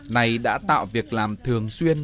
này đã tạo việc làm thường xuyên